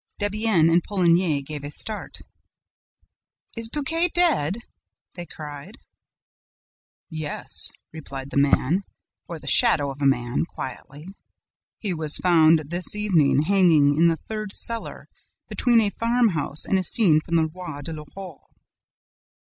Debienne and Poligny gave a start. "Is Buquet dead?" they cried. "Yes," replied the man, or the shadow of a man, quietly. "He was found, this evening, hanging in the third cellar, between a farm house and a scene from the Roi de Lahore."